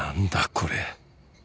これ